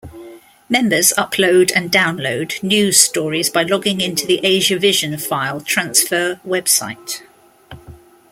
Members upload and download news stories by logging into the Asiavision file transfer website.